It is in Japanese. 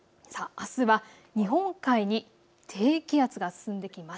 あすは日本海に低気圧が進んできます。